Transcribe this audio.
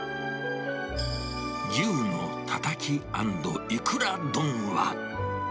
牛のたたき＆イクラ丼は。